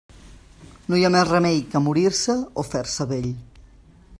No hi ha més remei que morir-se o fer-se vell.